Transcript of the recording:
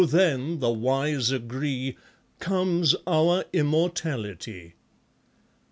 then, the wise agree, Comes our immortality.